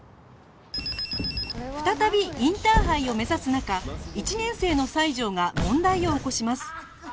再びインターハイを目指す中１年生の西条が問題を起こします